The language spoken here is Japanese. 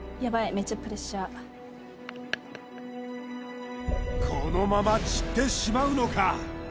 めちゃプレッシャーこのまま散ってしまうのか？